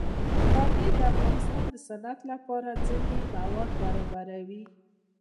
پامیر د افغانستان د صنعت لپاره ځینې مواد برابروي.